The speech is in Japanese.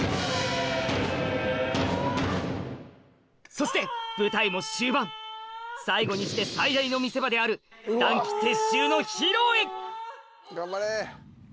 そして舞台も終盤最後にして最大の見せ場である頑張れ。